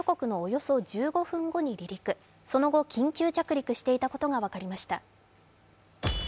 その後、緊急着陸していたことが分かりました。